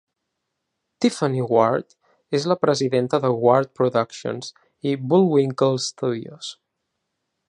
Tiffany Ward és la presidenta de Ward Productions i Bullwinkle Studios.